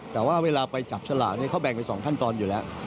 แต่ว่าเวลาไปจับฉลากเขาแบ่งเป็น๒ขั้นตอนอยู่แล้ว